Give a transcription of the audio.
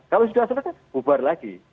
kalau sudah selesai bubar lagi